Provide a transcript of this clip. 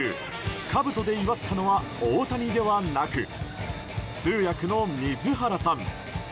かぶとで祝ったのは大谷ではなく通訳の水原さん。